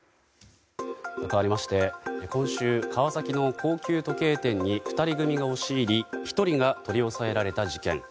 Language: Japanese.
かわりまして今週、川崎の高級時計店に２人組が押し入り１人が取り押さえられた事件。